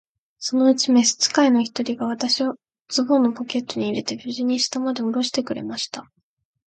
そのうちに召使の一人が、私をズボンのポケットに入れて、無事に下までおろしてくれました。